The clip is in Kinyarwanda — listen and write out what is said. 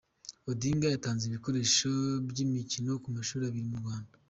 Odinga yatanze ibikoresho by’imikino ku mashuri abiri mu Rwanda